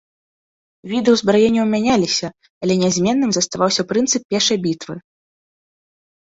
Віды ўзбраенняў мяняліся, але нязменным заставаўся прынцып пешай бітвы.